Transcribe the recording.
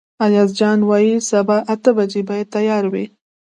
ایاز جان وايي سبا اته بجې باید تیار وئ.